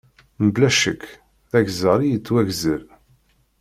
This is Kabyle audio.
Mebla ccekk, d agzar i yettwagzer.